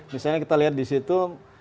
misalnya kita lihat di situ